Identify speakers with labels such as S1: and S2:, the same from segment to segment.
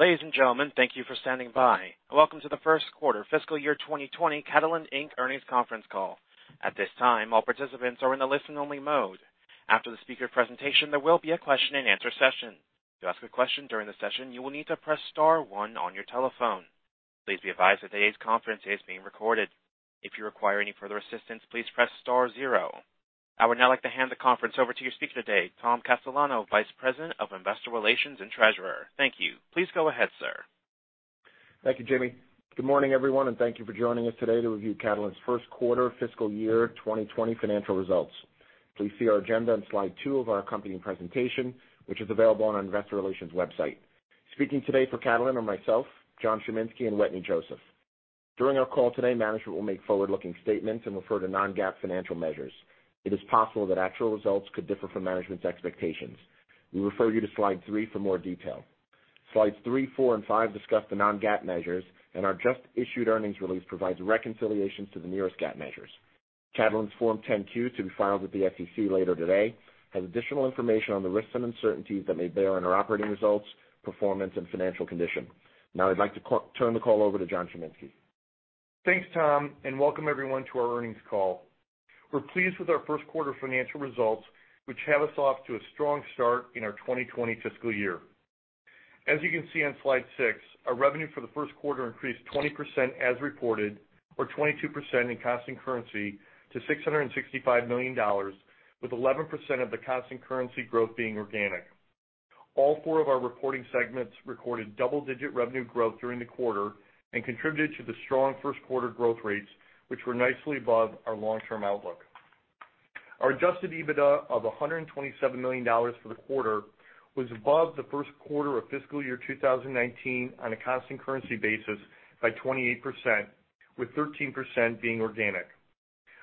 S1: Ladies and gentlemen, thank you for standing by. Welcome to the first quarter, fiscal year 2020, Catalent Inc. earnings conference call. At this time, all participants are in the listen-only mode. After the speaker's presentation, there will be a question-and-answer session. To ask a question during the session, you will need to press star one on your telephone. Please be advised that today's conference is being recorded. If you require any further assistance, please press star zero. I would now like to hand the conference over to your speaker today, Thomas Castellano, Vice President of Investor Relations and Treasurer. Thank you. Please go ahead, sir.
S2: Thank you, Jimmy. Good morning, everyone, and thank you for joining us today to review Catalent's first quarter, fiscal year 2020, financial results. Please see our agenda on slide two of our accompanying presentation, which is available on our Investor Relations website. Speaking today for Catalent are myself, John Chiminski, and Wetteny Joseph. During our call today, management will make forward-looking statements and refer to non-GAAP financial measures. It is possible that actual results could differ from management's expectations. We refer you to slide three for more detail. Slides three, four, and five discuss the non-GAAP measures, and our just-issued earnings release provides reconciliations to the nearest GAAP measures. Catalent's Form 10-Q, to be filed with the SEC later today, has additional information on the risks and uncertainties that may bear on our operating results, performance, and financial condition. Now, I'd like to turn the call over to John Chiminski.
S3: Thanks, Thomas, and welcome everyone to our earnings call. We're pleased with our first quarter financial results, which have us off to a strong start in our 2020 fiscal year. As you can see on slide six, our revenue for the first quarter increased 20% as reported, or 22% in constant currency, to $665 million, with 11% of the constant currency growth being organic. All four of our reporting segments recorded double-digit revenue growth during the quarter and contributed to the strong first quarter growth rates, which were nicely above our long-term outlook. Our adjusted EBITDA of $127 million for the quarter was above the first quarter of fiscal year 2019 on a constant currency basis by 28%, with 13% being organic.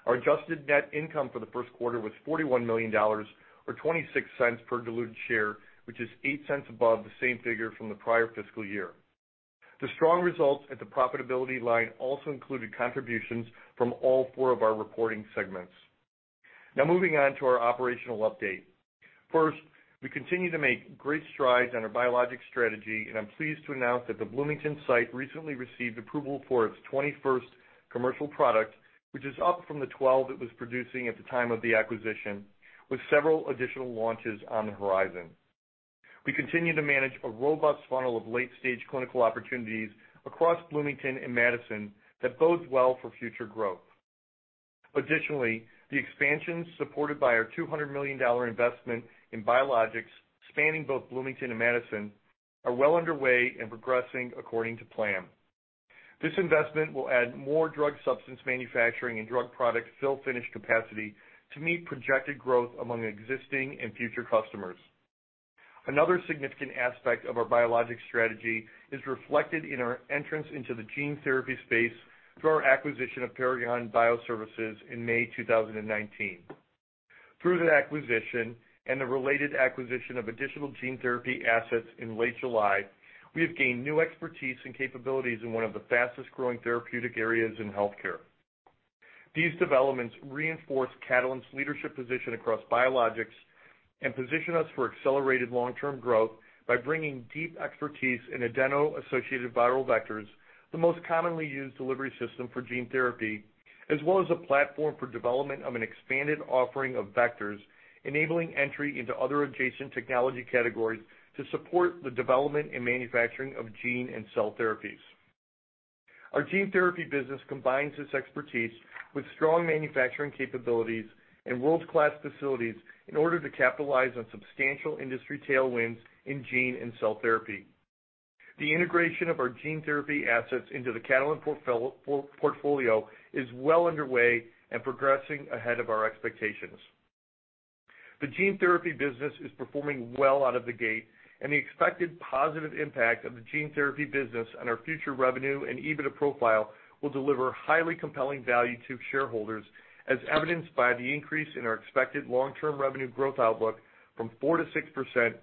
S3: Our adjusted net income for the first quarter was $41 million, or $0.26 per diluted share, which is $0.08 above the same figure from the prior fiscal year. The strong results at the profitability line also included contributions from all four of our reporting segments. Now, moving on to our operational update. First, we continue to make great strides on our biologic strategy, and I'm pleased to announce that the Bloomington site recently received approval for its 21st commercial product, which is up from the 12 it was producing at the time of the acquisition, with several additional launches on the horizon. We continue to manage a robust funnel of late-stage clinical opportunities across Bloomington and Madison that bodes well for future growth. Additionally, the expansions supported by our $200 million investment in biologics spanning both Bloomington and Madison are well underway and progressing according to plan. This investment will add more drug substance manufacturing and drug product fill-finish capacity to meet projected growth among existing and future customers. Another significant aspect of our biologic strategy is reflected in our entrance into the gene therapy space through our acquisition of Paragon Bioservices in May 2019. Through that acquisition and the related acquisition of additional gene therapy assets in late July, we have gained new expertise and capabilities in one of the fastest-growing therapeutic areas in healthcare. These developments reinforce Catalent's leadership position across biologics and position us for accelerated long-term growth by bringing deep expertise in adeno-associated viral vectors, the most commonly used delivery system for gene therapy, as well as a platform for development of an expanded offering of vectors, enabling entry into other adjacent technology categories to support the development and manufacturing of gene and cell therapies. Our gene therapy business combines this expertise with strong manufacturing capabilities and world-class facilities in order to capitalize on substantial industry tailwinds in gene and cell therapy. The integration of our gene therapy assets into the Catalent portfolio is well underway and progressing ahead of our expectations. The gene therapy business is performing well out of the gate, and the expected positive impact of the gene therapy business on our future revenue and EBITDA profile will deliver highly compelling value to shareholders, as evidenced by the increase in our expected long-term revenue growth outlook from 4%-6% to 6%-8%.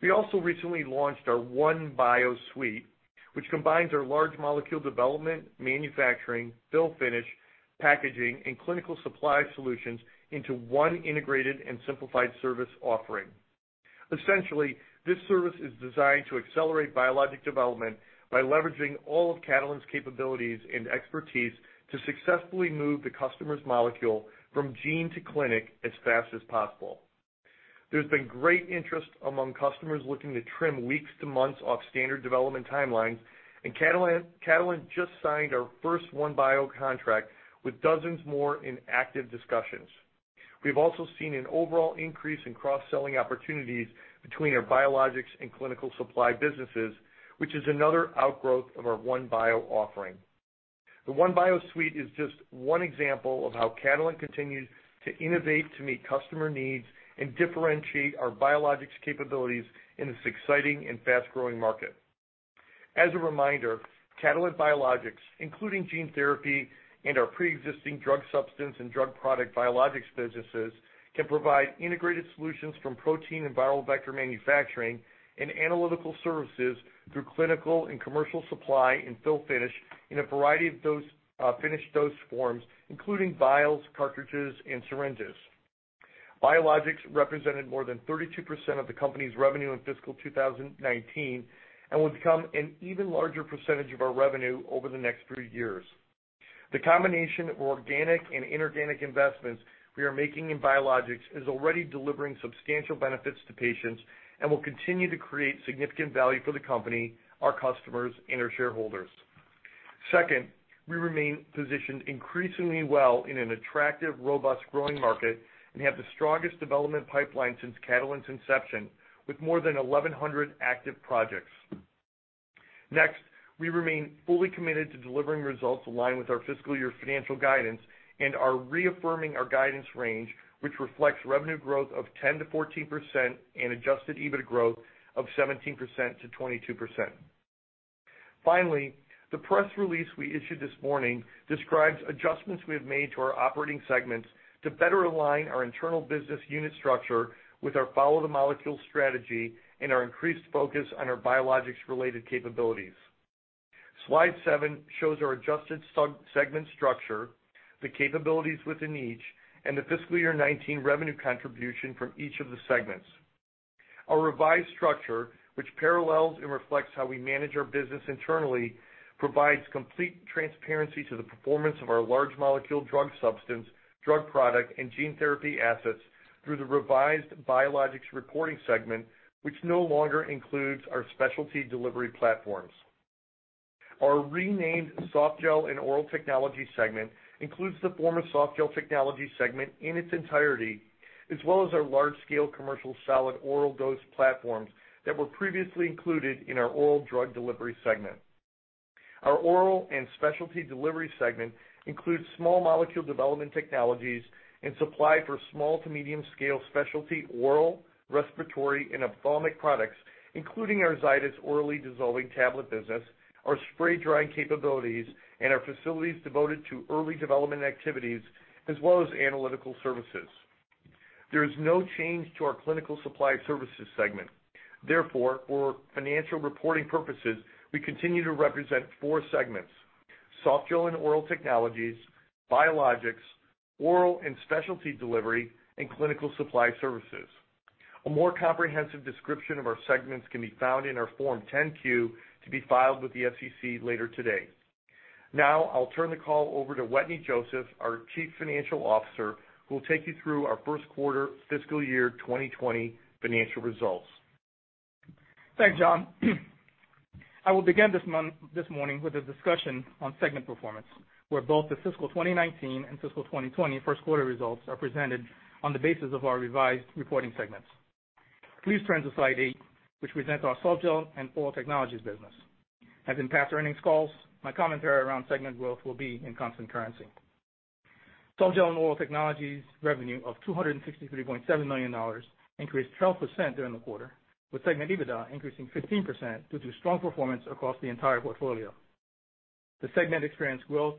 S3: We also recently launched our OneBio suite, which combines our large molecule development, manufacturing, fill-finish, packaging, and clinical supply solutions into one integrated and simplified service offering. Essentially, this service is designed to accelerate biologic development by leveraging all of Catalent's capabilities and expertise to successfully move the customer's molecule from gene to clinic as fast as possible. There's been great interest among customers looking to trim weeks to months off standard development timelines, and Catalent just signed our first OneBio contract with dozens more in active discussions. We've also seen an overall increase in cross-selling opportunities between our biologics and clinical supply businesses, which is another outgrowth of our OneBio offering. The OneBio suite is just one example of how Catalent continues to innovate to meet customer needs and differentiate our biologics capabilities in this exciting and fast-growing market. As a reminder, Catalent Biologics, including gene therapy and our pre-existing drug substance and drug product biologics businesses, can provide integrated solutions from protein and viral vector manufacturing and analytical services through clinical and commercial supply and fill-finish in a variety of finished dose forms, including vials, cartridges, and syringes. Biologics represented more than 32% of the company's revenue in fiscal 2019 and will become an even larger percentage of our revenue over the next few years. The combination of organic and inorganic investments we are making in biologics is already delivering substantial benefits to patients and will continue to create significant value for the company, our customers, and our shareholders. Second, we remain positioned increasingly well in an attractive, robust, growing market and have the strongest development pipeline since Catalent's inception, with more than 1,100 active projects. Next, we remain fully committed to delivering results aligned with our fiscal year financial guidance and are reaffirming our guidance range, which reflects revenue growth of 10%-14% and Adjusted EBITDA growth of 17%-22%. Finally, the press release we issued this morning describes adjustments we have made to our operating segments to better align our internal business unit structure with our follow-the-molecule strategy and our increased focus on our biologics-related capabilities. Slide seven shows our adjusted segment structure, the capabilities within each, and the fiscal year 2019 revenue contribution from each of the segments. Our revised structure, which parallels and reflects how we manage our business internally, provides complete transparency to the performance of our large molecule drug substance, drug product, and gene therapy assets through the revised Biologics reporting segment, which no longer includes our specialty delivery platforms. Our renamed Softgel and Oral Technologies segment includes the former Softgel Technology segment in its entirety, as well as our large-scale commercial solid oral dose platforms that were previously included in our oral drug delivery segment. Our Oral and Specialty Delivery segment includes small molecule development technologies and supply for small to medium-scale specialty oral, respiratory, and ophthalmic products, including our Zydis orally dissolving tablet business, our spray-drying capabilities, and our facilities devoted to early development activities, as well as analytical services. There is no change to our Clinical Supply Services segment. Therefore, for financial reporting purposes, we continue to represent four segments: softgel and oral technologies, biologics, Oral and Specialty Delivery, and Clinical Supply Services. A more comprehensive description of our segments can be found in our Form 10-Q to be filed with the SEC later today. Now, I'll turn the call over to Wetteny Joseph, our Chief Financial Officer, who will take you through our first quarter fiscal year 2020 financial results.
S4: Thanks, John. I will begin this morning with a discussion on segment performance, where both the fiscal 2019 and fiscal 2020 first quarter results are presented on the basis of our revised reporting segments. Please turn to slide eight, which presents our Softgel and Oral Technologies business. As in past earnings calls, my commentary around segment growth will be in constant currency. Softgel and Oral Technologies revenue of $263.7 million increased 12% during the quarter, with segment EBITDA increasing 15% due to strong performance across the entire portfolio. The segment experienced growth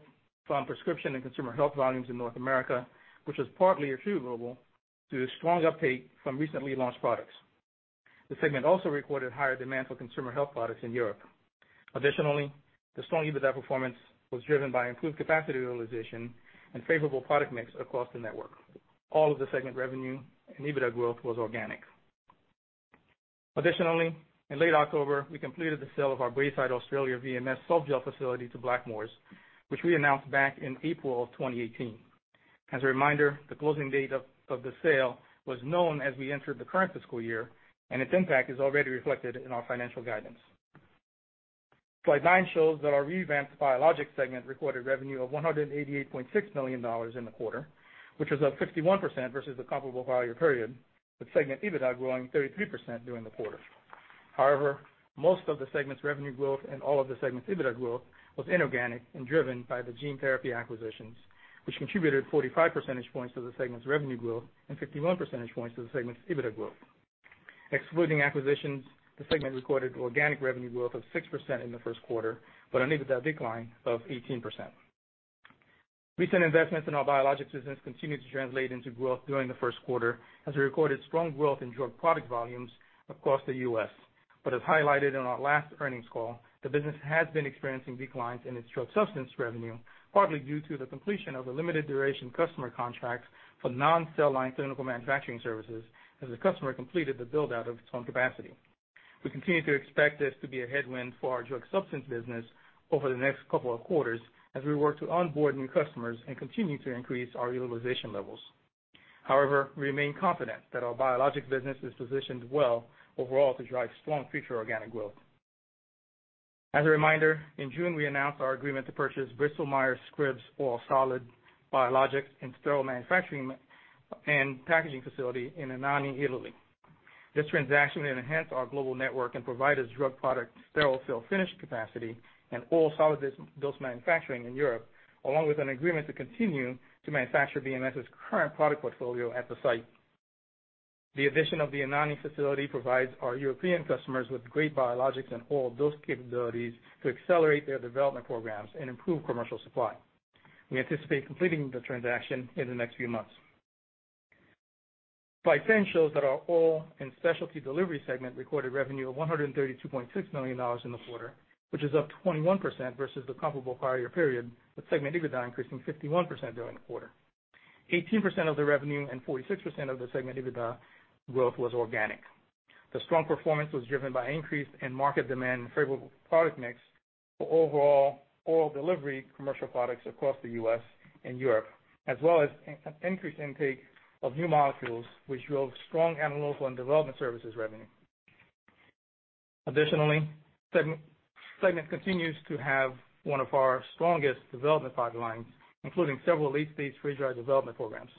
S4: from prescription and consumer health volumes in North America, which was partly attributable to the strong uptake from recently launched products. The segment also recorded higher demand for consumer health products in Europe. Additionally, the strong EBITDA performance was driven by improved capacity utilization and favorable product mix across the network. All of the segment revenue and EBITDA growth was organic. Additionally, in late October, we completed the sale of our Bayside Australia VMS softgel facility to Blackmores, which we announced back in April of 2018. As a reminder, the closing date of the sale was known as we entered the current fiscal year, and its impact is already reflected in our financial guidance. Slide nine shows that our revamped biologics segment recorded revenue of $188.6 million in the quarter, which was up 51% versus the comparable prior year, with segment EBITDA growing 33% during the quarter. However, most of the segment's revenue growth and all of the segment's EBITDA growth was inorganic and driven by the gene therapy acquisitions, which contributed 45 percentage points to the segment's revenue growth and 51 percentage points to the segment's EBITDA growth. Excluding acquisitions, the segment recorded organic revenue growth of 6% in the first quarter, but an EBITDA decline of 18%. Recent investments in our biologics business continue to translate into growth during the first quarter, as we recorded strong growth in drug product volumes across the U.S. But as highlighted in our last earnings call, the business has been experiencing declines in its drug substance revenue, partly due to the completion of a limited duration customer contract for non-cell line clinical manufacturing services, as the customer completed the build-out of its own capacity. We continue to expect this to be a headwind for our drug substance business over the next couple of quarters, as we work to onboard new customers and continue to increase our utilization levels. However, we remain confident that our biologics business is positioned well overall to drive strong future organic growth. As a reminder, in June, we announced our agreement to purchase Bristol-Myers Squibb oral solid biologics and sterile manufacturing and packaging facility in Anagni, Italy. This transaction will enhance our global network and provide us drug product sterile fill-finish capacity and oral solid dose manufacturing in Europe, along with an agreement to continue to manufacture BMS's current product portfolio at the site. The addition of the Anagni facility provides our European customers with great biologics and oral dose capabilities to accelerate their development programs and improve commercial supply. We anticipate completing the transaction in the next few months. Slide 10 shows that our Oral and Specialty Delivery segment recorded revenue of $132.6 million in the quarter, which is up 21% versus the comparable prior year, with segment EBITDA increasing 51% during the quarter. 18% of the revenue and 46% of the segment EBITDA growth was organic. The strong performance was driven by increased end-market demand and favorable product mix for overall oral delivery commercial products across the U.S. and Europe, as well as increased intake of new molecules, which drove strong analytical and development services revenue. Additionally, the segment continues to have one of our strongest development pipelines, including several late-stage freeze-dry development programs.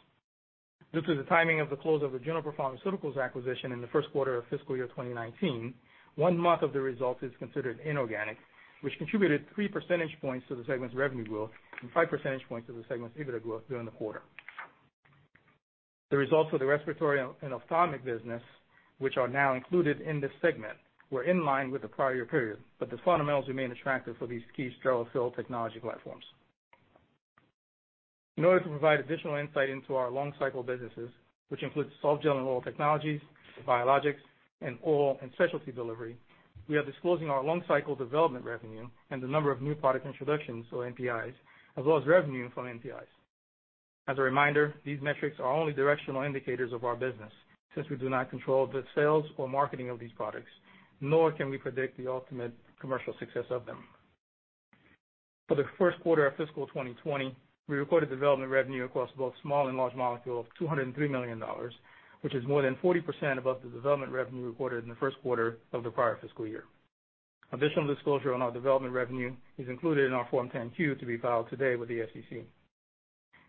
S4: Due to the timing of the close of the Juniper Pharmaceuticals acquisition in the first quarter of fiscal year 2019, one month of the result is considered inorganic, which contributed 3 percentage points to the segment's revenue growth and 5 percentage points to the segment's EBITDA growth during the quarter. The results for the respiratory and ophthalmic business, which are now included in this segment, were in line with the prior year, but the fundamentals remain attractive for these key sterile fill technology platforms. In order to provide additional insight into our long-cycle businesses, which include softgel and oral technologies, biologics, and oral and specialty delivery, we are disclosing our long-cycle development revenue and the number of new product introductions, or NPIs, as well as revenue from NPIs. As a reminder, these metrics are only directional indicators of our business, since we do not control the sales or marketing of these products, nor can we predict the ultimate commercial success of them. For the first quarter of fiscal 2020, we recorded development revenue across both small and large molecules of $203 million, which is more than 40% above the development revenue recorded in the first quarter of the prior fiscal year. Additional disclosure on our development revenue is included in our Form 10-Q to be filed today with the SEC.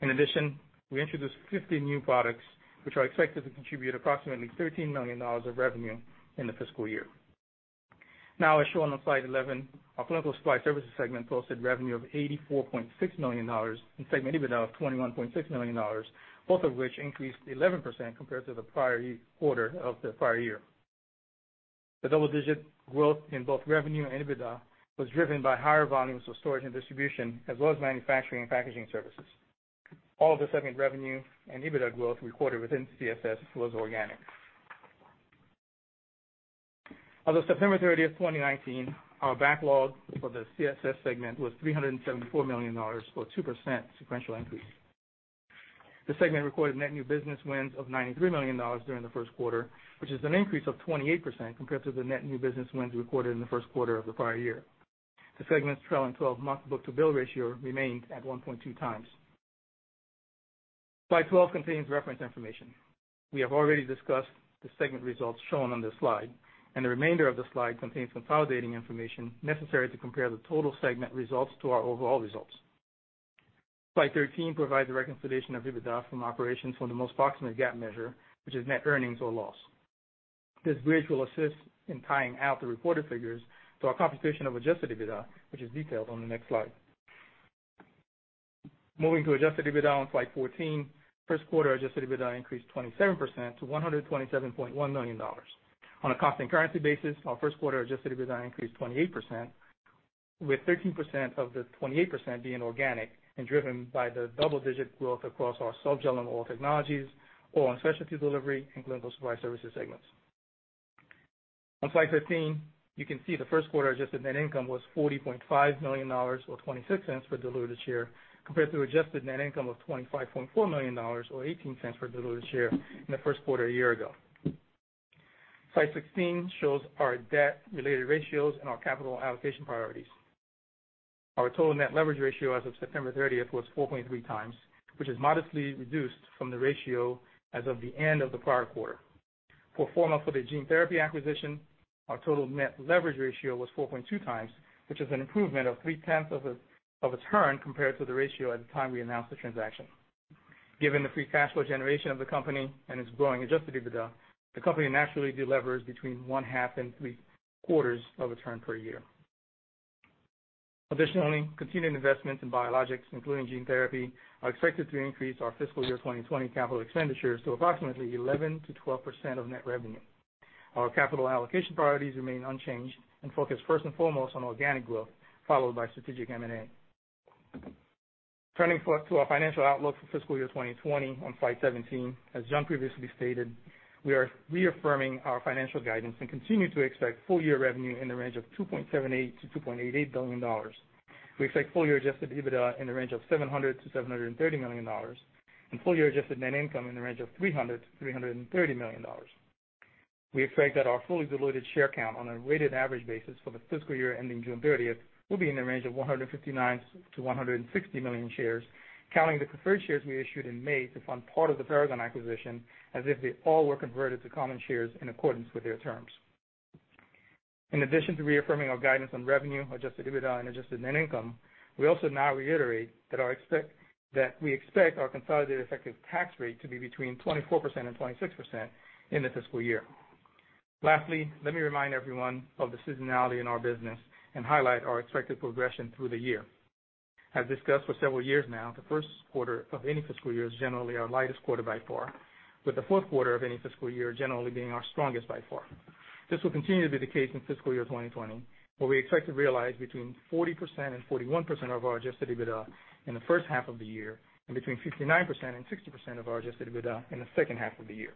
S4: In addition, we introduced 50 new products, which are expected to contribute approximately $13 million of revenue in the fiscal year. Now, as shown on slide 11, our Clinical Supply Services segment posted revenue of $84.6 million and segment EBITDA of $21.6 million, both of which increased 11% compared to the prior quarter of the prior year. The double-digit growth in both revenue and EBITDA was driven by higher volumes of storage and distribution, as well as manufacturing and packaging services. All of the segment revenue and EBITDA growth recorded within CSS was organic. As of September 30, 2019, our backlog for the CSS segment was $374 million, or 2% sequential increase. The segment recorded net new business wins of $93 million during the first quarter, which is an increase of 28% compared to the net new business wins recorded in the first quarter of the prior year. The segment's trailing 12-month book-to-bill ratio remained at 1.2 times. Slide 12 contains reference information. We have already discussed the segment results shown on this slide, and the remainder of the slide contains consolidating information necessary to compare the total segment results to our overall results. Slide 13 provides a reconciliation of EBITDA from operations from the most proximate gap measure, which is net earnings or loss. This bridge will assist in tying out the reported figures to our computation of adjusted EBITDA, which is detailed on the next slide. Moving to adjusted EBITDA on slide 14, first quarter adjusted EBITDA increased 27% to $127.1 million. On a cost and currency basis, our first quarter adjusted EBITDA increased 28%, with 13% of the 28% being organic and driven by the double-digit growth across our softgel and oral technologies, Oral and Specialty Delivery, and Clinical Supply Services segments. On slide 15, you can see the first quarter adjusted net income was $40.5 million, or $0.26 per diluted share, compared to adjusted net income of $25.4 million, or $0.18 per diluted share in the first quarter a year ago. Slide 16 shows our debt-related ratios and our capital allocation priorities. Our total net leverage ratio as of September 30 was 4.3 times, which is modestly reduced from the ratio as of the end of the prior quarter. Pro forma for the gene therapy acquisition, our total net leverage ratio was 4.2 times, which is an improvement of 3/10 of a turn compared to the ratio at the time we announced the transaction. Given the free cash flow generation of the company and its growing adjusted EBITDA, the company naturally delivers between 0.5 and 0.75 of a turn per year. Additionally, continued investments in biologics, including gene therapy, are expected to increase our fiscal year 2020 capital expenditures to approximately 11%-12% of net revenue. Our capital allocation priorities remain unchanged and focus first and foremost on organic growth, followed by strategic M&A. Turning to our financial outlook for fiscal year 2020 on slide 17, as John previously stated, we are reaffirming our financial guidance and continue to expect full-year revenue in the range of $2.78-$2.88 billion. We expect full-year Adjusted EBITDA in the range of $700-$730 million, and full-year Adjusted Net Income in the range of $300-$330 million. We expect that our fully diluted share count on a weighted average basis for the fiscal year ending June 30 will be in the range of 159-160 million shares, counting the preferred shares we issued in May to fund part of the Paragon acquisition as if they all were converted to common shares in accordance with their terms. In addition to reaffirming our guidance on revenue, Adjusted EBITDA, and Adjusted Net Income, we also now reiterate that we expect our consolidated effective tax rate to be between 24% and 26% in the fiscal year. Lastly, let me remind everyone of the seasonality in our business and highlight our expected progression through the year. As discussed for several years now, the first quarter of any fiscal year is generally our lightest quarter by far, with the fourth quarter of any fiscal year generally being our strongest by far. This will continue to be the case in fiscal year 2020, where we expect to realize between 40% and 41% of our Adjusted EBITDA in the first half of the year and between 59% and 60% of our Adjusted EBITDA in the second half of the year.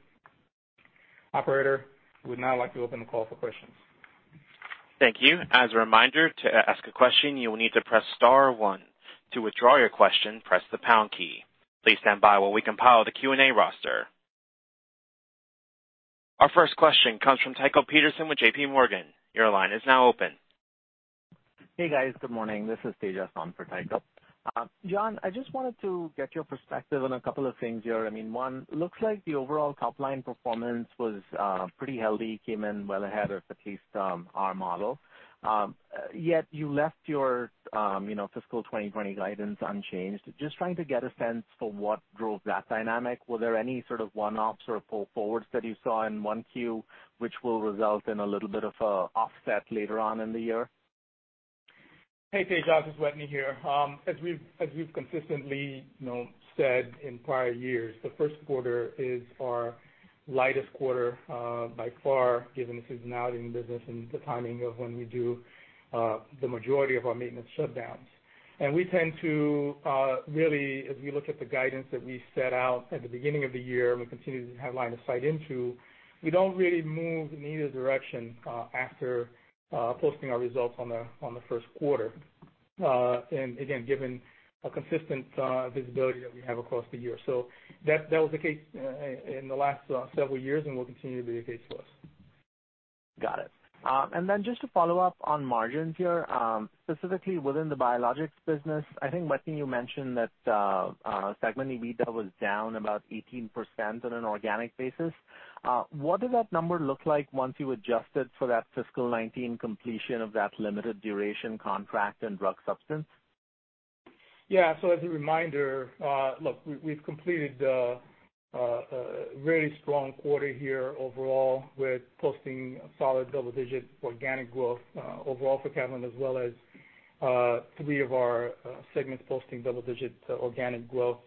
S4: Operator, we would now like to open the call for questions.
S1: Thank you. As a reminder, to ask a question, you will need to press star one. To withdraw your question, press the pound key. Please stand by while we compile the Q&A roster. Our first question comes from Tycho Peterson with JPMorgan. Your line is now open.
S5: Hey, guys. Good morning. This is Tejas Savant for Tycho. John, I just wanted to get your perspective on a couple of things here. I mean, one, looks like the overall top-line performance was pretty healthy, came in well ahead of at least our model. Yet you left your fiscal 2020 guidance unchanged. Just trying to get a sense for what drove that dynamic. Were there any sort of one-offs or fall forwards that you saw in one Q, which will result in a little bit of an offset later on in the year?
S3: Hey, Tejas. This is Wetteny here. As we've consistently said in prior years, the first quarter is our lightest quarter by far, given the seasonality in the business and the timing of when we do the majority of our maintenance shutdowns. And we tend to really, as we look at the guidance that we set out at the beginning of the year and we continue to have line of sight into, we don't really move in either direction after posting our results on the first quarter, and again, given the consistent visibility that we have across the year. So that was the case in the last several years, and will continue to be the case for us.
S5: Got it and then just to follow up on margins here, specifically within the biologics business, I think, Wetteny, you mentioned that segment EBITDA was down about 18% on an organic basis. What did that number look like once you adjusted for that fiscal 2019 completion of that limited duration contract in drug substance?
S4: Yeah. So as a reminder, look, we've completed a very strong quarter here overall with posting solid double-digit organic growth overall for Catalent, as well as three of our segments posting double-digit organic growth.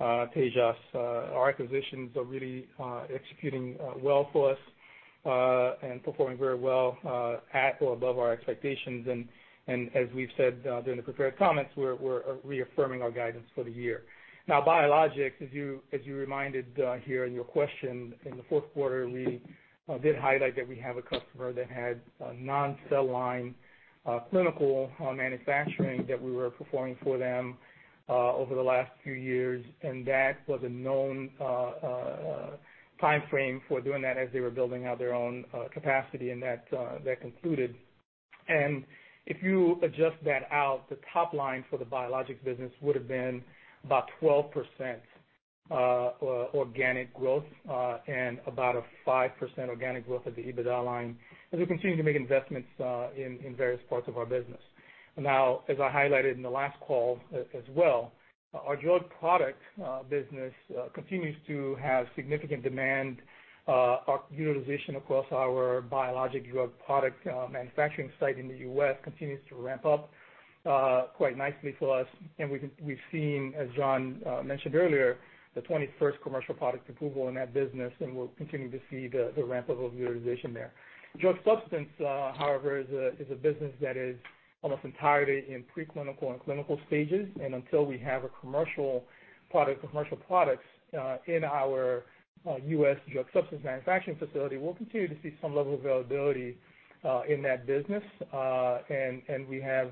S4: Tejas, our acquisitions are really executing well for us and performing very well at or above our expectations. And as we've said during the prepared comments, we're reaffirming our guidance for the year. Now, biologics, as you reminded here in your question, in the fourth quarter, we did highlight that we have a customer that had non-cell line clinical manufacturing that we were performing for them over the last few years, and that was a known time frame for doing that as they were building out their own capacity and that concluded. If you adjust that out, the top line for the biologics business would have been about 12% organic growth and about a 5% organic growth of the EBITDA line as we continue to make investments in various parts of our business. Now, as I highlighted in the last call as well, our drug product business continues to have significant demand. Our utilization across our biologic drug product manufacturing site in the U.S. continues to ramp up quite nicely for us. And we've seen, as John mentioned earlier, the 21st commercial product approval in that business, and we'll continue to see the ramp-up of utilization there. Drug substance, however, is a business that is almost entirely in pre-clinical and clinical stages. And until we have a commercial product in our U.S. drug substance manufacturing facility, we'll continue to see some level of availability in that business. We have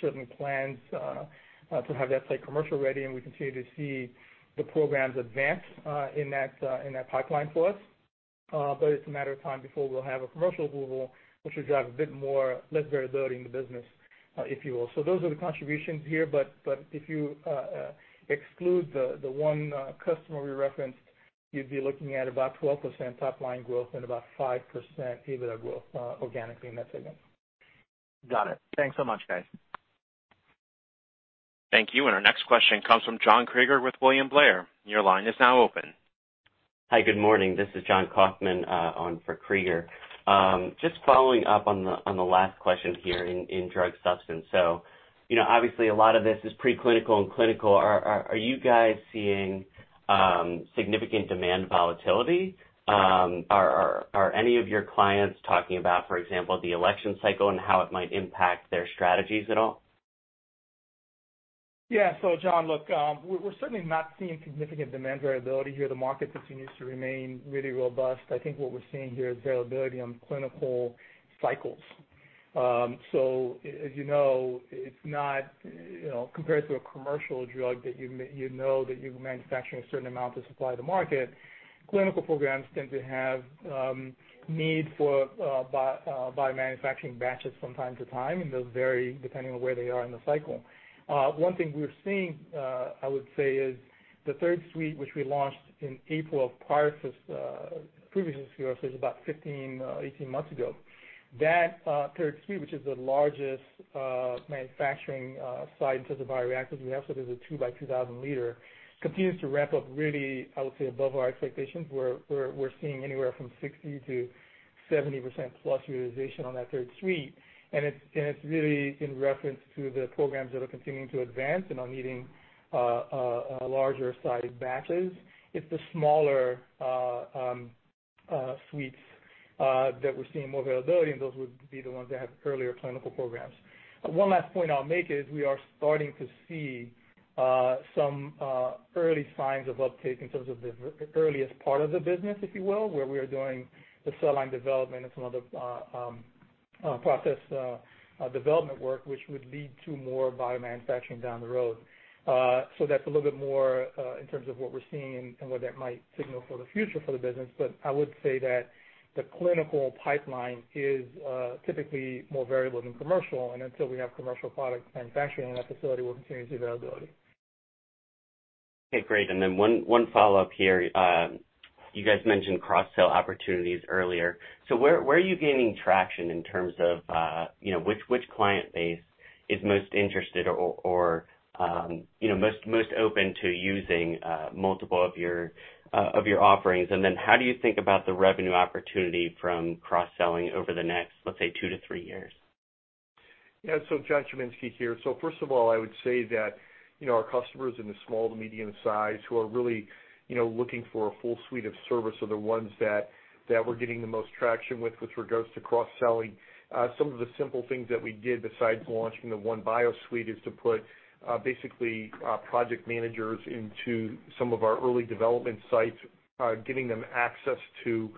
S4: certainly plans to have that site commercial ready, and we continue to see the programs advance in that pipeline for us. But it's a matter of time before we'll have a commercial approval, which will drive a bit more less variability in the business, if you will. So those are the contributions here. But if you exclude the one customer we referenced, you'd be looking at about 12% top-line growth and about 5% EBITDA growth organically in that segment.
S5: Got it. Thanks so much, guys.
S1: Thank you. And our next question comes from John Krieger with William Blair. Your line is now open.
S6: Hi, good morning. This is Jonathan Kaufman on for Krieger. Just following up on the last question here in drug substance. So obviously, a lot of this is pre-clinical and clinical. Are you guys seeing significant demand volatility? Are any of your clients talking about, for example, the election cycle and how it might impact their strategies at all?
S4: Yeah. So Jonathan, look, we're certainly not seeing significant demand variability here. The market continues to remain really robust. I think what we're seeing here is variability on clinical cycles. So as you know, compared to a commercial drug that you know that you're manufacturing a certain amount to supply the market, clinical programs tend to have need for biomanufacturing batches from time to time, and those vary depending on where they are in the cycle. One thing we're seeing, I would say, is the third suite, which we launched in April of previous years, so it was about 15, 18 months ago. That third suite, which is the largest manufacturing site in terms of bioreactors we have, so there's a two by 2,000-liter, continues to ramp up really, I would say, above our expectations. We're seeing anywhere from 60%-70% plus utilization on that third suite. It's really in reference to the programs that are continuing to advance and are needing larger-sized batches. It's the smaller suites that we're seeing more availability, and those would be the ones that have earlier clinical programs. One last point I'll make is we are starting to see some early signs of uptake in terms of the earliest part of the business, if you will, where we are doing the cell line development and some other process development work, which would lead to more biomanufacturing down the road. That's a little bit more in terms of what we're seeing and what that might signal for the future for the business. I would say that the clinical pipeline is typically more variable than commercial. Until we have commercial product manufacturing in that facility, we'll continue to see variability.
S6: Okay. Great. And then one follow-up here. You guys mentioned cross-sale opportunities earlier. So where are you gaining traction in terms of which client base is most interested or most open to using multiple of your offerings? And then how do you think about the revenue opportunity from cross-selling over the next, let's say, two to three years?
S3: Yeah. John Chiminski here. First of all, I would say that our customers in the small to medium size who are really looking for a full suite of service are the ones that we're getting the most traction with regards to cross-selling. Some of the simple things that we did besides launching the OneBio suite is to put basically project managers into some of our early development sites, giving them access to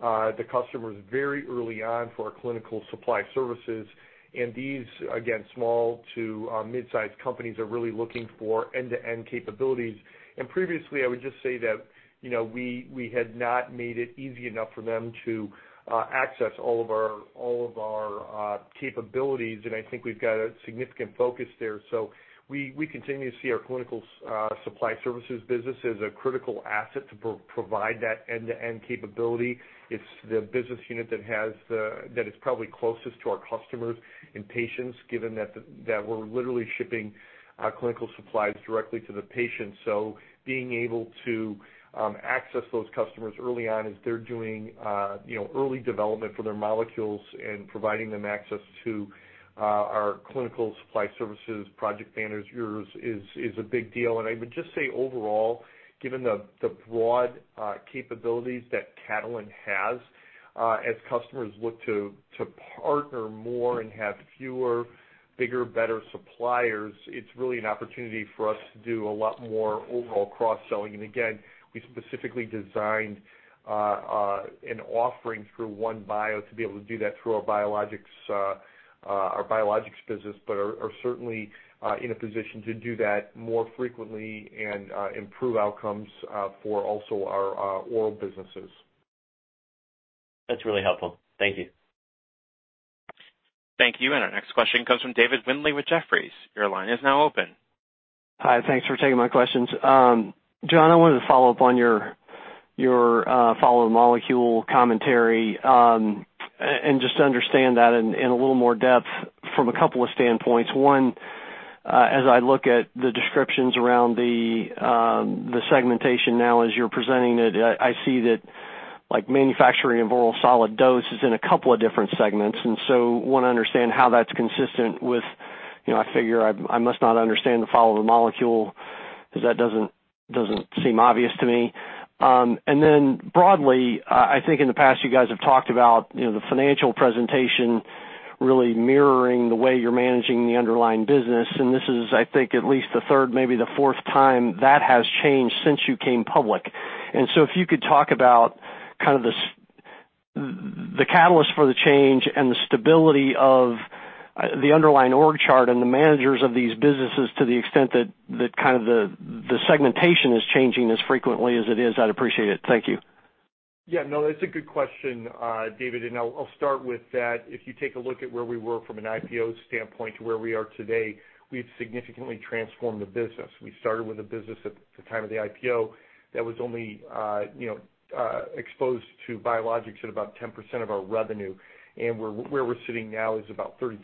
S3: the customers very early on for our Clinical Supply Services. And these, again, small to mid-sized companies are really looking for end-to-end capabilities. And previously, I would just say that we had not made it easy enough for them to access all of our capabilities, and I think we've got a significant focus there. We continue to see our Clinical Supply Cervices business as a critical asset to provide that end-to-end capability. It's the business unit that is probably closest to our customers and patients, given that we're literally shipping clinical supplies directly to the patients. So being able to access those customers early on as they're doing early development for their molecules and providing them access to our Clinical Supply Services, project managers is a big deal. And I would just say overall, given the broad capabilities that Catalent has, as customers look to partner more and have fewer, bigger, better suppliers, it's really an opportunity for us to do a lot more overall cross-selling. And again, we specifically designed an offering through OneBio to be able to do that through our biologics business, but are certainly in a position to do that more frequently and improve outcomes for also our oral businesses.
S6: That's really helpful. Thank you.
S1: Thank you. And our next question comes from David Windley with Jefferies. Your line is now open.
S7: Hi. Thanks for taking my questions. John, I wanted to follow up on your follow-on molecule commentary and just to understand that in a little more depth from a couple of standpoints. One, as I look at the descriptions around the segmentation now as you're presenting it, I see that manufacturing of oral solid dose is in a couple of different segments, and so I want to understand how that's consistent with I figure I must not understand the follow-on molecule because that doesn't seem obvious to me, and then broadly, I think in the past you guys have talked about the financial presentation really mirroring the way you're managing the underlying business, and this is, I think, at least the third, maybe the fourth time that has changed since you came public. And so if you could talk about kind of the catalyst for the change and the stability of the underlying org chart and the managers of these businesses to the extent that kind of the segmentation is changing as frequently as it is. I'd appreciate it. Thank you.
S4: Yeah. No, that's a good question, David. And I'll start with that. If you take a look at where we were from an IPO standpoint to where we are today, we've significantly transformed the business. We started with a business at the time of the IPO that was only exposed to biologics at about 10% of our revenue. And where we're sitting now is about 32%.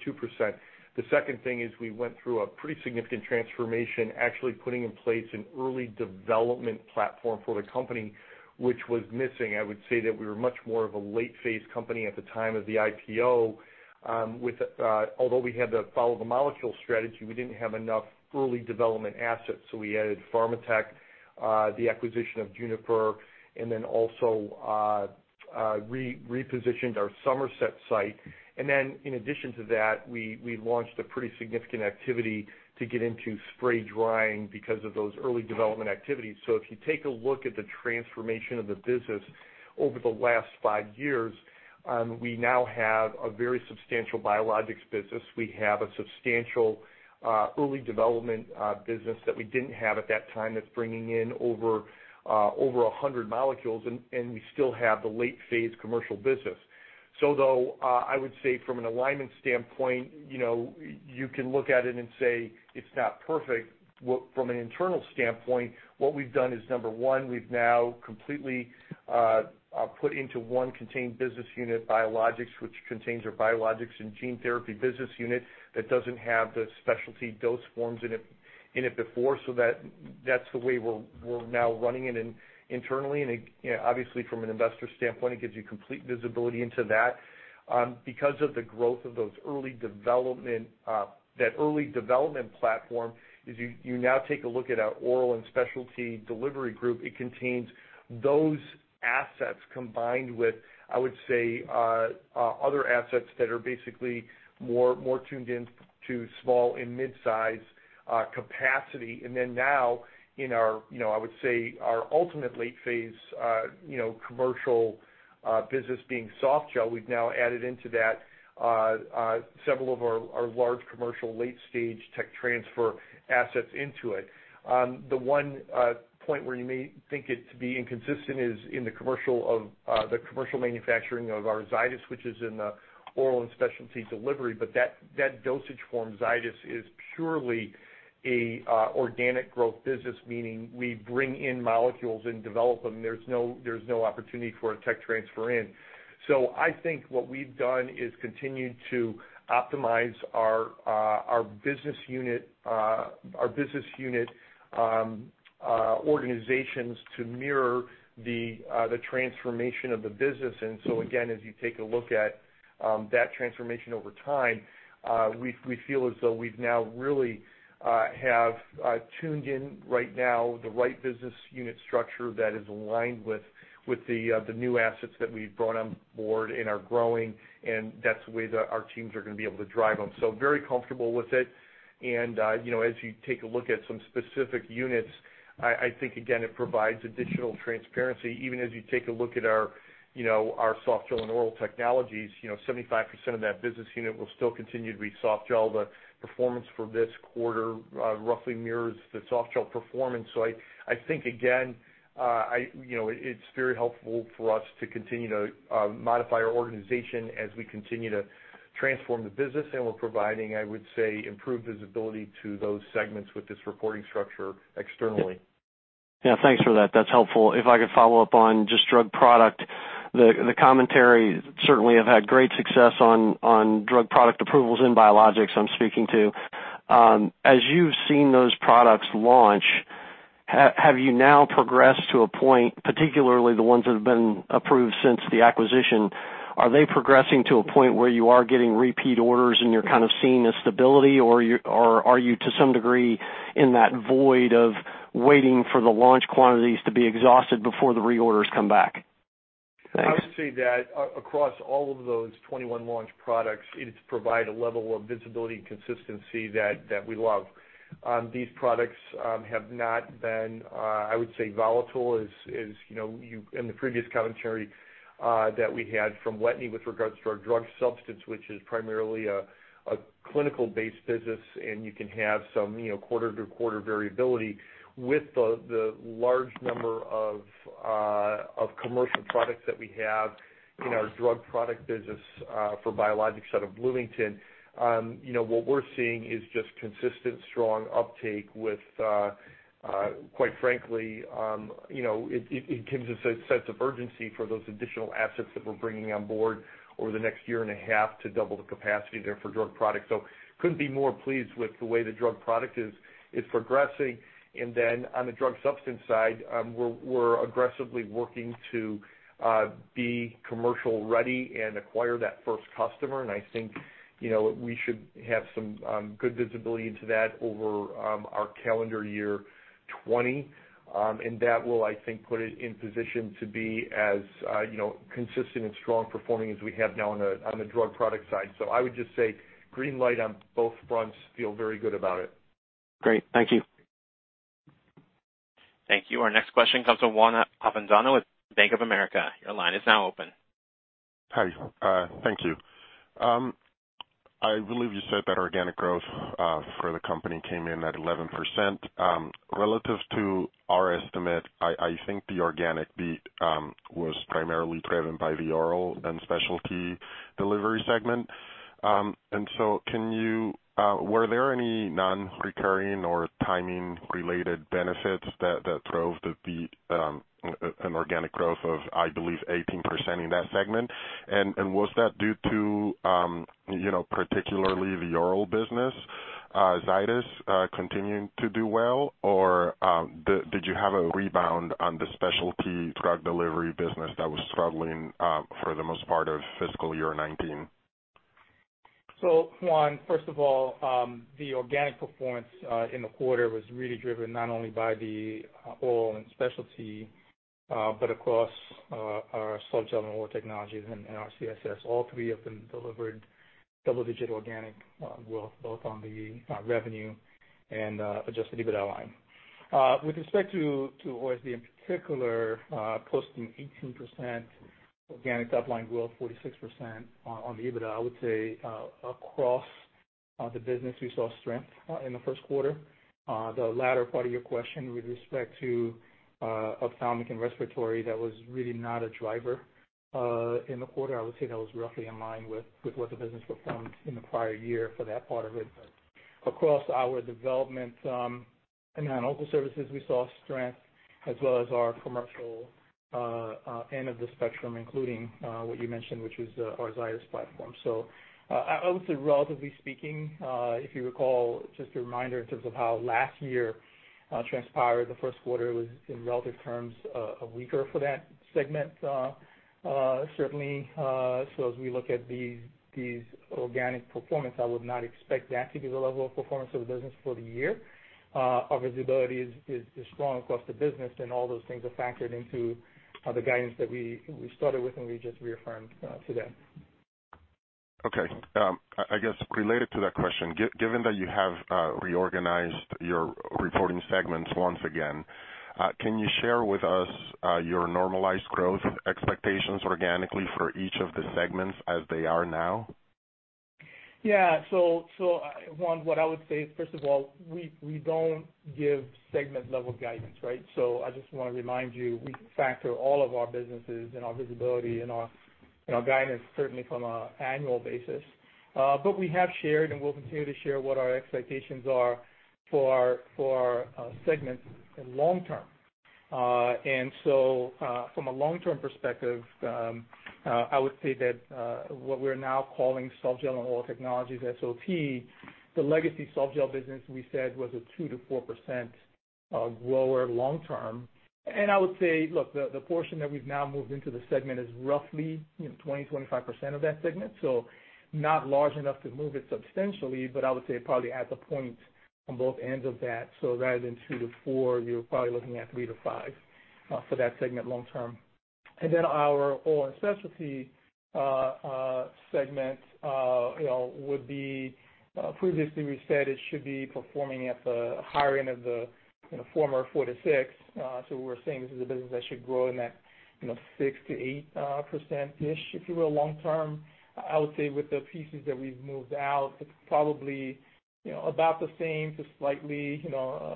S4: The second thing is we went through a pretty significant transformation, actually putting in place an early development platform for the company, which was missing. I would say that we were much more of a late-phase company at the time of the IPO. Although we had the follow-up molecule strategy, we didn't have enough early development assets. So we added Pharmatek, the acquisition of Juniper, and then also repositioned our Somerset site. And then in addition to that, we launched a pretty significant activity to get into spray drying because of those early development activities. So if you take a look at the transformation of the business over the last five years, we now have a very substantial biologics business. We have a substantial early development business that we didn't have at that time that's bringing in over 100 molecules, and we still have the late-phase commercial business. So though, I would say from an alignment standpoint, you can look at it and say, "It's not perfect." From an internal standpoint, what we've done is, number one, we've now completely put into one contained business unit biologics, which contains our biologics and gene therapy business unit that doesn't have the specialty dose forms in it before. So that's the way we're now running it internally. Obviously, from an investor standpoint, it gives you complete visibility into that. Because of the growth of those early development, that early development platform, if you now take a look at our Oral and Specialty Delivery group, it contains those assets combined with, I would say, other assets that are basically more tuned into small and mid-size capacity. Then now in our, I would say, our ultimate late-phase commercial business being Softgel, we've now added into that several of our large commercial late-stage tech transfer assets into it. The one point where you may think it to be inconsistent is in the commercial manufacturing of our Zydis, which is in the Oral and Specialty Delivery. That dosage form Zydis is purely an organic growth business, meaning we bring in molecules and develop them. There's no opportunity for a tech transfer in. So I think what we've done is continue to optimize our business unit organizations to mirror the transformation of the business. And so again, as you take a look at that transformation over time, we feel as though we've now really tuned in right now the right business unit structure that is aligned with the new assets that we've brought on board and are growing. And that's the way that our teams are going to be able to drive them. So very comfortable with it. And as you take a look at some specific units, I think, again, it provides additional transparency. Even as you take a look at our Softgel and oral technologies, 75% of that business unit will still continue to be Softgel. The performance for this quarter roughly mirrors the Softgel performance. So I think, again, it's very helpful for us to continue to modify our organization as we continue to transform the business. And we're providing, I would say, improved visibility to those segments with this reporting structure externally.
S7: Yeah. Thanks for that. That's helpful. If I could follow up on just drug product, the commentary certainly have had great success on drug product approvals in biologics I'm speaking to. As you've seen those products launch, have you now progressed to a point, particularly the ones that have been approved since the acquisition, are they progressing to a point where you are getting repeat orders and you're kind of seeing a stability, or are you to some degree in that void of waiting for the launch quantities to be exhausted before the reorders come back? Thanks.
S4: I would say that across all of those 21 launch products, it's provided a level of visibility and consistency that we love. These products have not been, I would say, volatile as in the previous commentary that we had from Windley with regards to our drug substance, which is primarily a clinical-based business, and you can have some quarter-to-quarter variability with the large number of commercial products that we have in our drug product business for biologics out of Bloomington. What we're seeing is just consistent, strong uptake with, quite frankly, it gives us a sense of urgency for those additional assets that we're bringing on board over the next year and a half to double the capacity there for drug products, so couldn't be more pleased with the way the drug product is progressing. And then on the drug substance side, we're aggressively working to be commercial-ready and acquire that first customer. And I think we should have some good visibility into that over our calendar year 2020. And that will, I think, put it in position to be as consistent and strong performing as we have now on the drug product side. So I would just say green light on both fronts. Feel very good about it.
S7: Great. Thank you.
S1: Thank you. Our next question comes from Juan Avendano with Bank of America. Your line is now open.
S8: Hi. Thank you. I believe you said that organic growth for the company came in at 11%. Relative to our estimate, I think the organic beat was primarily driven by the Oral and Specialty Delivery segment. And so were there any non-recurring or timing-related benefits that drove the beat and organic growth of, I believe, 18% in that segment? And was that due to particularly the oral business, Zydis, continuing to do well? Or did you have a rebound on the specialty drug delivery business that was struggling for the most part of fiscal year 2019?
S4: So Juan, first of all, the organic performance in the quarter was really driven not only by the oral and specialty, but across our Softgel and oral technologies and our CSS. All three of them delivered double-digit organic growth, both on the revenue and Adjusted EBITDA line. With respect to OSD in particular, posting 18% organic top-line growth, 46% on the EBITDA, I would say across the business, we saw strength in the first quarter. The latter part of your question with respect to ophthalmic and respiratory, that was really not a driver in the quarter. I would say that was roughly in line with what the business performed in the prior year for that part of it. Across our development and our local services, we saw strength as well as our commercial end of the spectrum, including what you mentioned, which is our Zydis platform. So I would say, relatively speaking, if you recall, just a reminder in terms of how last year transpired, the first quarter was, in relative terms, a weaker for that segment, certainly. So as we look at these organic performances, I would not expect that to be the level of performance of the business for the year. Our visibility is strong across the business, and all those things are factored into the guidance that we started with, and we just reaffirmed today.
S8: Okay. I guess related to that question, given that you have reorganized your reporting segments once again, can you share with us your normalized growth expectations organically for each of the segments as they are now?
S4: Yeah. So Juan, what I would say, first of all, we don't give segment-level guidance, right? So I just want to remind you, we factor all of our businesses and our visibility and our guidance certainly from an annual basis. But we have shared and will continue to share what our expectations are for our segments long-term. And so from a long-term perspective, I would say that what we're now calling Softgel and oral technologies SOT, the legacy Softgel business, we said was a 2%-4% grower long-term. And I would say, look, the portion that we've now moved into the segment is roughly 20-25% of that segment. So not large enough to move it substantially, but I would say probably at the point on both ends of that. So rather than 2%-4%, you're probably looking at 3%-5% for that segment long-term. Our oral and specialty segment would be. Previously we said it should be performing at the higher end of the former 4%-6%. So we're saying this is a business that should grow in that 6%-8% ish, if you will, long-term. I would say with the pieces that we've moved out, it's probably about the same to slightly,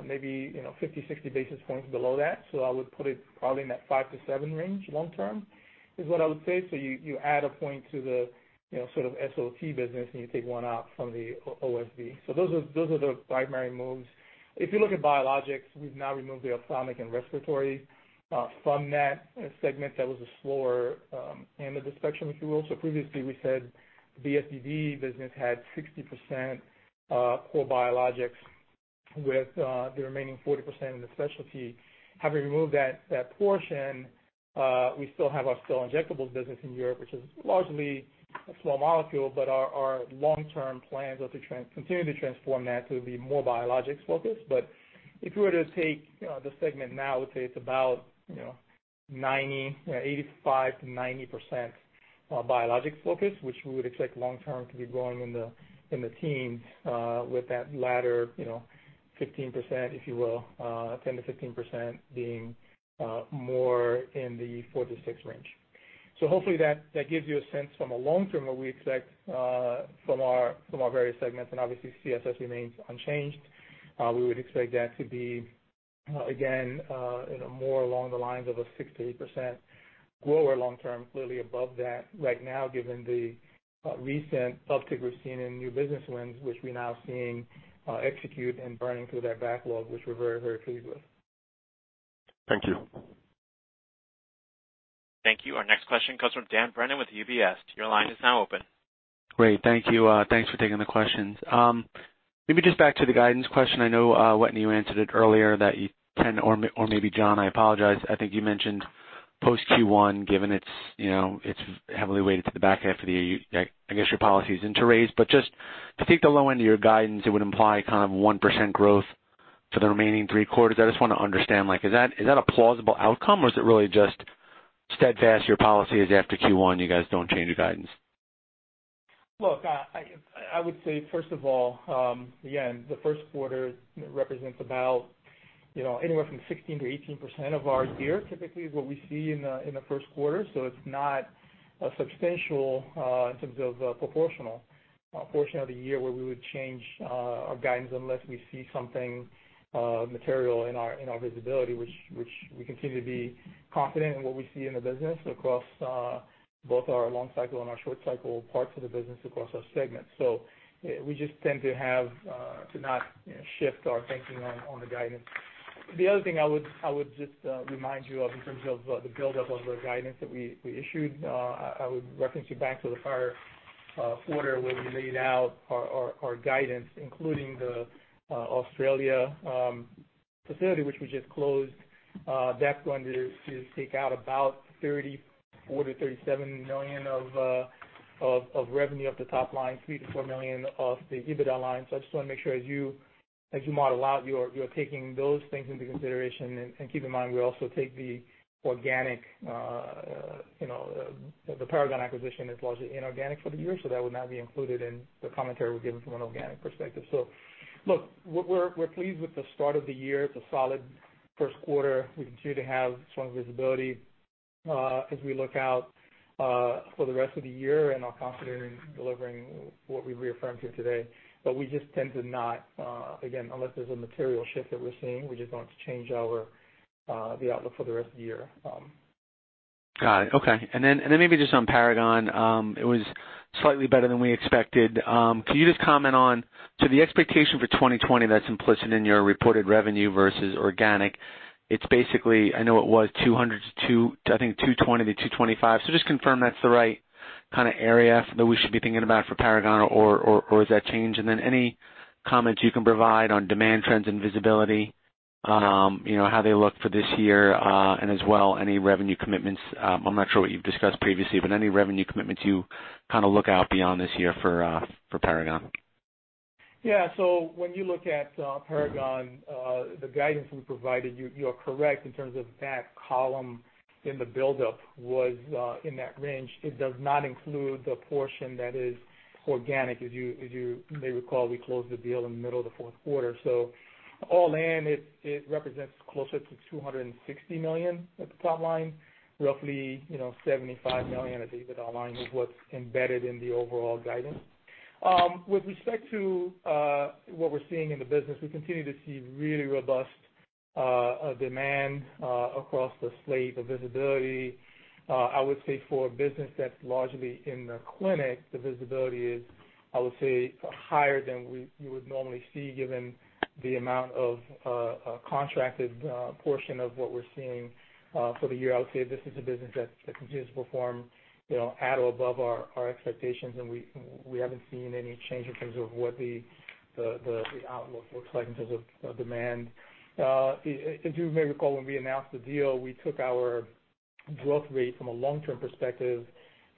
S4: maybe 50, 60 basis points below that. So I would put it probably in that 5%-7% range long-term is what I would say. So you add a point to the sort of SOT business, and you take one out from the OSD. So those are the primary moves. If you look at biologics, we've now removed the ophthalmic and respiratory from that segment that was a slower end of the spectrum, if you will. So previously, we said the BSDD business had 60% core biologics with the remaining 40% in the specialty. Having removed that portion, we still have our sterile injectables business in Europe, which is largely a small molecule, but our long-term plans are to continue to transform that to be more biologics focused. But if you were to take the segment now, I would say it's about 85%-90% biologics focused, which we would expect long-term to be growing in the teens with that latter 15%, if you will, 10%-15% being more in the 4-6 range. So hopefully that gives you a sense from a long-term what we expect from our various segments. And obviously, CSS remains unchanged. We would expect that to be, again, more along the lines of a 6%-8% grower long-term, clearly above that right now, given the recent uptick we've seen in new business wins, which we're now seeing execute and burning through that backlog, which we're very, very pleased with.
S8: Thank you.
S1: Thank you. Our next question comes from Daniel Brennan with UBS. Your line is now open.
S9: Great. Thank you. Thanks for taking the questions. Maybe just back to the guidance question. I know, Wetteny, you answered it earlier that you can or maybe John, I apologize. I think you mentioned post Q1, given it's heavily weighted to the back half of the year, I guess your policy isn't to raise. But just to take the low end of your guidance, it would imply kind of 1% growth for the remaining three quarters. I just want to understand, is that a plausible outcome, or is it really just steadfast your policy is after Q1 you guys don't change your guidance?
S4: Look, I would say, first of all, again, the first quarter represents about anywhere from 16%-18% of our year, typically is what we see in the first quarter. So it's not substantial in terms of proportional portion of the year where we would change our guidance unless we see something material in our visibility, which we continue to be confident in what we see in the business across both our long-cycle and our short-cycle parts of the business across our segment. So we just tend to have to not shift our thinking on the guidance. The other thing I would just remind you of in terms of the buildup of our guidance that we issued, I would reference you back to the prior quarter where we laid out our guidance, including the Australia facility, which we just closed. That's going to take out about $34 million-$37 million of revenue of the top line, $3 million-$4 million of the EBITDA line. So I just want to make sure as you model out, you're taking those things into consideration. And keep in mind, we also take the organic the Paragon acquisition is largely inorganic for the year. So that would not be included in the commentary we're giving from an organic perspective. So look, we're pleased with the start of the year. It's a solid first quarter. We continue to have strong visibility as we look out for the rest of the year and are confident in delivering what we've reaffirmed here today. But we just tend to not, again, unless there's a material shift that we're seeing, we just don't change the outlook for the rest of the year.
S9: Got it. Okay. And then maybe just on Paragon, it was slightly better than we expected. Can you just comment on the expectation for 2020 that's implicit in your reported revenue versus organic? It's basically, I know it was $200-$250, I think $220-$225. So just confirm that's the right kind of area that we should be thinking about for Paragon, or is that changed? And then any comments you can provide on demand trends and visibility, how they look for this year, and as well, any revenue commitments. I'm not sure what you've discussed previously, but any revenue commitments you kind of look out beyond this year for Paragon?
S4: Yeah. So when you look at Paragon, the guidance we provided, you're correct in terms of that column in the buildup was in that range. It does not include the portion that is organic. As you may recall, we closed the deal in the middle of the fourth quarter. So all in, it represents closer to $260 million at the top line, roughly $75 million at the EBITDA line is what's embedded in the overall guidance. With respect to what we're seeing in the business, we continue to see really robust demand across the slate of visibility. I would say for a business that's largely in the clinic, the visibility is, I would say, higher than you would normally see given the amount of contracted portion of what we're seeing for the year. I would say this is a business that continues to perform at or above our expectations. We haven't seen any change in terms of what the outlook looks like in terms of demand. As you may recall, when we announced the deal, we took our growth rate from a long-term perspective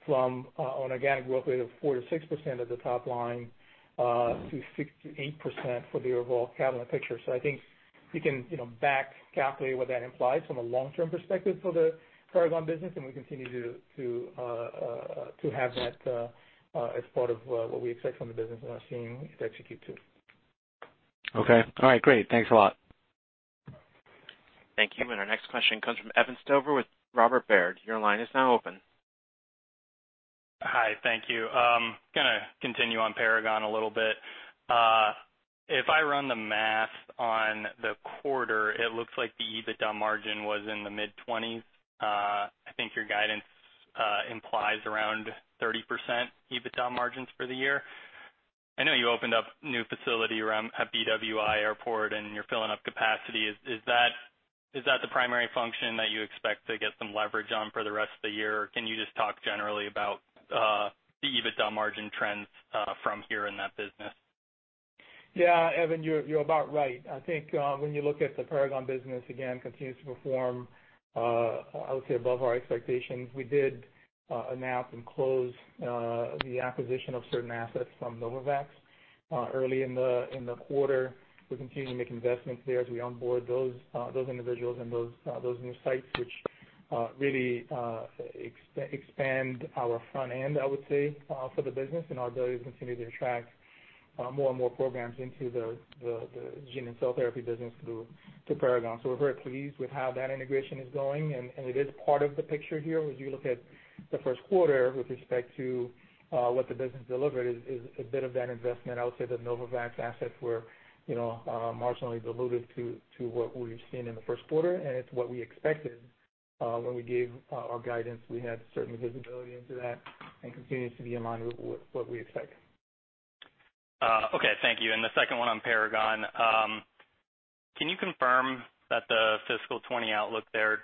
S4: from an organic growth rate of 4-6% at the top line to 6-8% for the overall Catalent picture. I think you can back calculate what that implies from a long-term perspective for the Paragon business. We continue to have that as part of what we expect from the business and are seeing it execute too.
S9: Okay. All right. Great. Thanks a lot.
S1: Thank you. Our next question comes from Evan Stover with Robert W. Baird. Your line is now open.
S10: Hi. Thank you. I'm going to continue on Paragon a little bit. If I run the math on the quarter, it looks like the EBITDA margin was in the mid-20s. I think your guidance implies around 30% EBITDA margins for the year. I know you opened up new facility around at BWI Airport, and you're filling up capacity. Is that the primary function that you expect to get some leverage on for the rest of the year? Or can you just talk generally about the EBITDA margin trends from here in that business?
S4: Yeah. Evan, you're about right. I think when you look at the Paragon business, again, continues to perform, I would say, above our expectations. We did announce and close the acquisition of certain assets from Novavax early in the quarter. We continue to make investments there as we onboard those individuals and those new sites, which really expand our front end, I would say, for the business. And our ability to continue to attract more and more programs into the gene and cell therapy business through Paragon. So we're very pleased with how that integration is going. And it is part of the picture here. As you look at the first quarter with respect to what the business delivered is a bit of that investment. I would say the Novavax assets were marginally diluted to what we've seen in the first quarter. It's what we expected when we gave our guidance. We had certain visibility into that, and it continues to be in line with what we expect.
S10: Okay. Thank you. And the second one on Paragon, can you confirm that the fiscal 2020 outlook there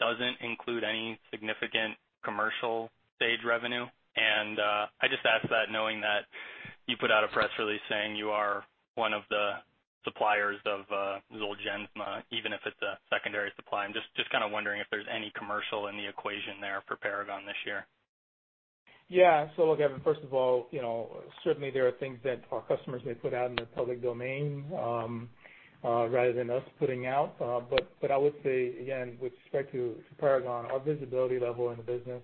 S10: doesn't include any significant commercial stage revenue? And I just ask that knowing that you put out a press release saying you are one of the suppliers of Zolgensma, even if it's a secondary supply. I'm just kind of wondering if there's any commercial in the equation there for Paragon this year.
S4: Yeah. So look, Evan, first of all, certainly there are things that our customers may put out in their public domain rather than us putting out. But I would say, again, with respect to Paragon, our visibility level in the business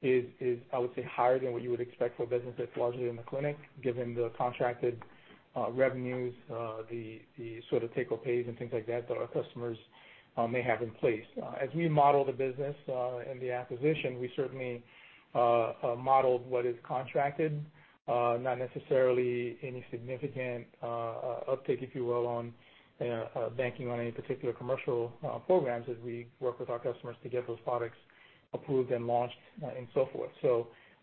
S4: is, I would say, higher than what you would expect for a business that's largely in the clinic, given the contracted revenues, the sort of take-o-pays, and things like that that our customers may have in place. As we model the business and the acquisition, we certainly modeled what is contracted, not necessarily any significant uptake, if you will, on banking on any particular commercial programs as we work with our customers to get those products approved and launched and so forth.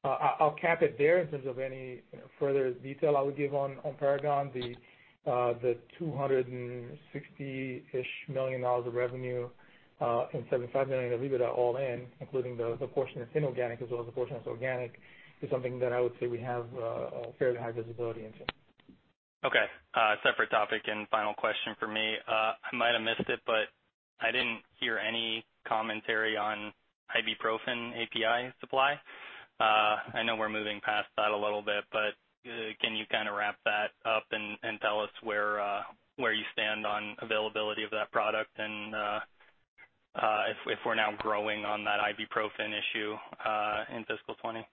S4: So I'll cap it there in terms of any further detail I would give on Paragon. The $260-ish million of revenue and $75 million of EBITDA all in, including the portion that's inorganic as well as the portion that's organic, is something that I would say we have fairly high visibility into.
S9: Okay. Separate topic and final question for me. I might have missed it, but I didn't hear any commentary on ibuprofen API supply. I know we're moving past that a little bit, but can you kind of wrap that up and tell us where you stand on availability of that product and if we're now growing on that ibuprofen issue in fiscal 2020?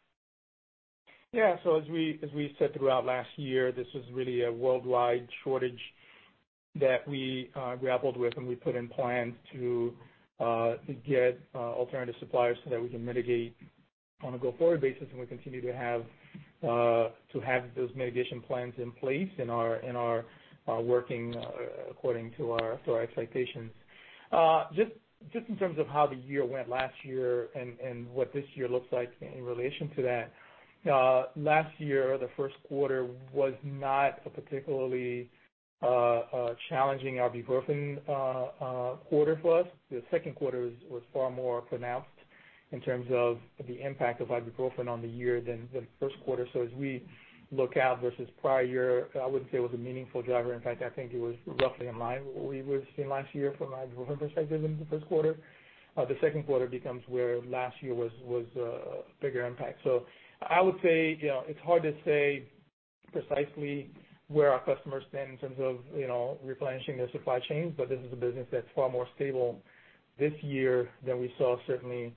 S4: Yeah, so as we said throughout last year, this was really a worldwide shortage that we grappled with, and we put in plans to get alternative suppliers so that we can mitigate on a go-forward basis, and we continue to have those mitigation plans in place and are working according to our expectations. Just in terms of how the year went last year and what this year looks like in relation to that, last year, the first quarter was not a particularly challenging ibuprofen quarter for us. The second quarter was far more pronounced in terms of the impact of ibuprofen on the year than the first quarter, so as we look out versus prior year, I wouldn't say it was a meaningful driver. In fact, I think it was roughly in line with what we would have seen last year from an ibuprofen perspective in the first quarter. The second quarter becomes where last year was a bigger impact. So I would say it's hard to say precisely where our customers stand in terms of replenishing their supply chains, but this is a business that's far more stable this year than we saw certainly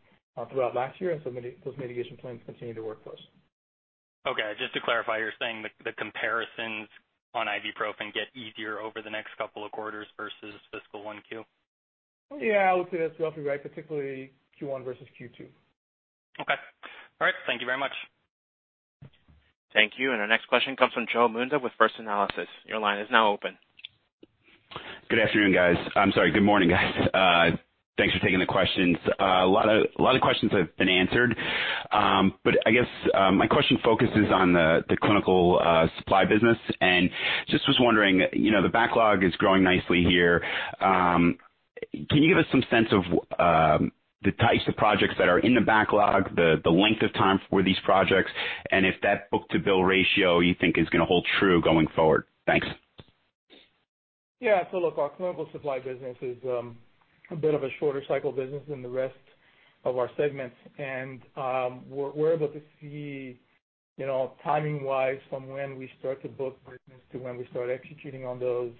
S4: throughout last year. And so those mitigation plans continue to work for us.
S9: Okay. Just to clarify, you're saying the comparisons on ibuprofen get easier over the next couple of quarters versus fiscal 1Q?
S4: Yeah. I would say that's roughly right, particularly Q1 versus Q2.
S9: Okay. All right. Thank you very much.
S1: Thank you. And our next question comes from Joseph Munda with First Analysis. Your line is now open.
S11: Good afternoon, guys. I'm sorry, good morning, guys. Thanks for taking the questions. A lot of questions have been answered. But I guess my question focuses on the clinical supply business. And just was wondering, the backlog is growing nicely here. Can you give us some sense of the types of projects that are in the backlog, the length of time for these projects, and if that book-to-bill ratio you think is going to hold true going forward? Thanks.
S4: Yeah. So look, our clinical supply business is a bit of a shorter cycle business than the rest of our segments. And we're able to see timing-wise from when we start to book business to when we start executing on those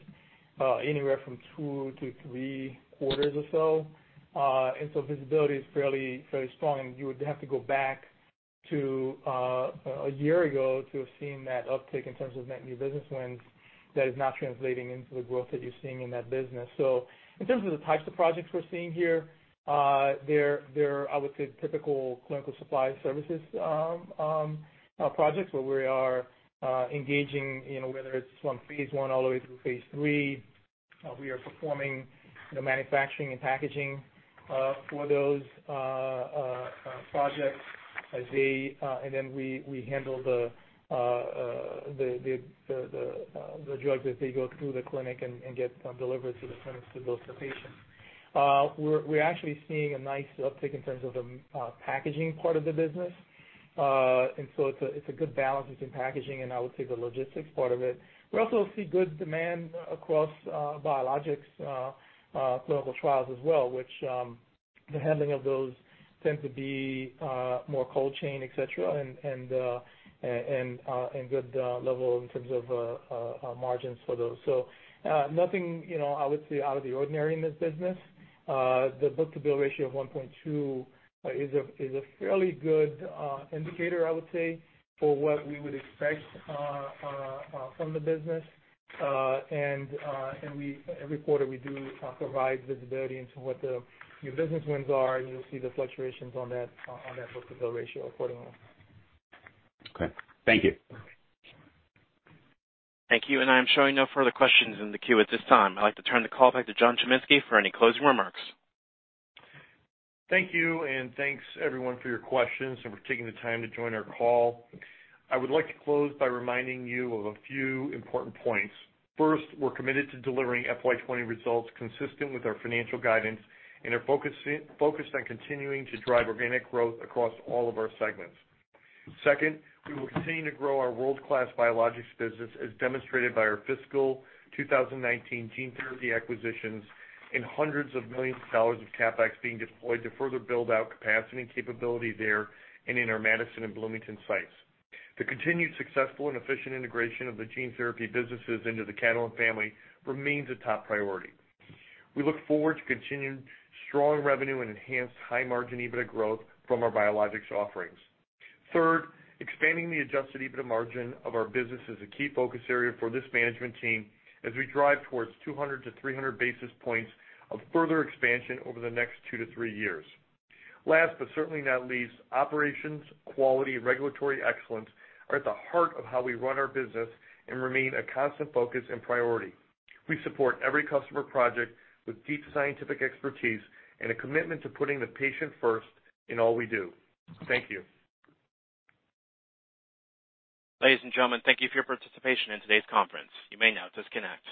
S4: anywhere from two to three quarters or so. And so visibility is fairly strong. And you would have to go back to a year ago to have seen that uptick in terms of net new business wins that is not translating into the growth that you're seeing in that business. So in terms of the types of projects we're seeing here, they're, I would say, typical Clinical Supply Services projects where we are engaging, whether it's from phase one all the way through phase three. We are performing manufacturing and packaging for those projects. And then we handle the drugs as they go through the clinic and get delivered to the clinics to those patients. We're actually seeing a nice uptick in terms of the packaging part of the business. And so it's a good balance between packaging and, I would say, the logistics part of it. We also see good demand across biologics clinical trials as well, which the handling of those tends to be more cold chain, etc., and good level in terms of margins for those. So nothing, I would say, out of the ordinary in this business. The book-to-bill ratio of 1.2 is a fairly good indicator, I would say, for what we would expect from the business. And every quarter, we do provide visibility into what the new business wins are. And you'll see the fluctuations on that book-to-bill ratio accordingly.
S11: Okay. Thank you.
S1: Thank you. And I am showing no further questions in the queue at this time. I'd like to turn the call back to John Chiminski for any closing remarks.
S3: Thank you and thanks, everyone, for your questions and for taking the time to join our call. I would like to close by reminding you of a few important points. First, we're committed to delivering FY20 results consistent with our financial guidance and are focused on continuing to drive organic growth across all of our segments. Second, we will continue to grow our world-class biologics business as demonstrated by our fiscal 2019 gene therapy acquisitions and hundreds of millions of dollars of CapEx being deployed to further build out capacity and capability there and in our Madison and Bloomington sites. The continued successful and efficient integration of the gene therapy businesses into the Catalent family remains a top priority. We look forward to continued strong revenue and enhanced high-margin EBITDA growth from our biologics offerings. Third, expanding the Adjusted EBITDA margin of our business is a key focus area for this management team as we drive towards 200 to 300 basis points of further expansion over the next two to three years. Last, but certainly not least, operations, quality, and regulatory excellence are at the heart of how we run our business and remain a constant focus and priority. We support every customer project with deep scientific expertise and a commitment to putting the patient first in all we do. Thank you.
S1: Ladies and gentlemen, thank you for your participation in today's conference. You may now disconnect.